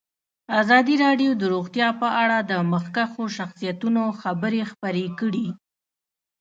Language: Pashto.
ازادي راډیو د روغتیا په اړه د مخکښو شخصیتونو خبرې خپرې کړي.